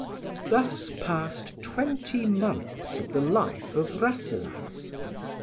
Thus passed twenty months of the life of Rasselas.